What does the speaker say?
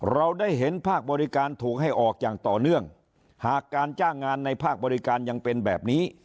เราได้เห็นภาคบริการถูกให้ออกอย่างต่อเนื่องหากการจ้างงานในภาคบริการยังเป็นแบบนี้